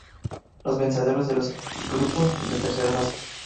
Los vencedores de los grupos de Tercera Fase.